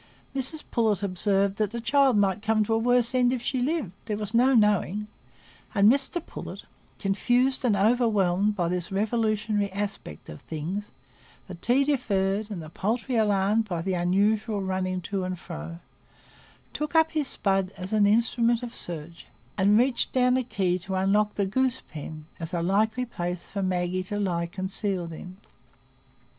Mrs Pullet observed that the child might come to a worse end if she lived, there was no knowing; and Mr Pullet, confused and overwhelmed by this revolutionary aspect of things,—the tea deferred and the poultry alarmed by the unusual running to and fro,—took up his spud as an instrument of search, and reached down a key to unlock the goose pen, as a likely place for Maggie to lie concealed in.